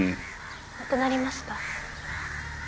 亡くなりました。